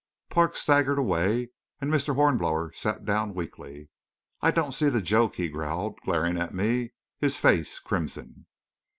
Parks staggered away, and Mr. Hornblower sat down weakly. "I don't see the joke!" he growled, glaring at me, his face crimson.